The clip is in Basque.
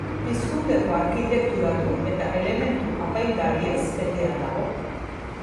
Pizkundeko arkitektura du eta elementu apaingarriez betea dago.